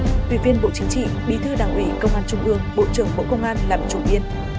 tuyên viên bộ chính trị bí thư đảng ủy công an trung ương bộ trưởng bộ công an làm chủ biên